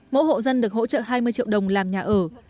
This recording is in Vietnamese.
mỗi hộ dân được hỗ trợ hai mươi triệu đồng làm nhà ở